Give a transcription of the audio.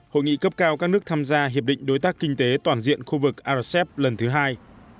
hội nghị cấp cao các nước tham gia hiệp định đối tác kinh tế toàn diện khu vực rcep lần thứ hai